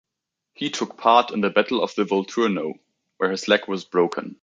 He took part in the Battle of the Volturno, where his leg was broken.